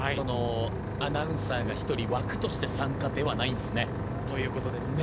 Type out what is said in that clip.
アナウンサーが１人枠として参加ではないんですね。ということですね。